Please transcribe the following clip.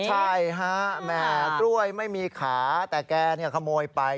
ใช่ฮะแหมกล้วยไม่มีขาแต่แกขโมยไป